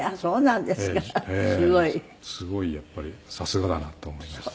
すごいやっぱりさすがだなと思いました。